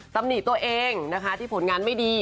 ตำหนิตัวเองนะคะที่ผลงานไม่ดี